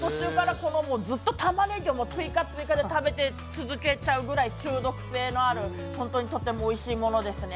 ずっとたまねぎを追加追加で食べ続けちゃうぐらい中毒性のある、本当にとてもおいしいものですね。